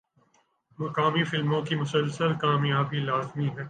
مقامی فلموں کی مسلسل کامیابی لازمی ہے۔